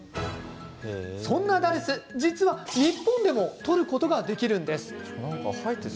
そんなダルス、実は日本でもとることができるんです。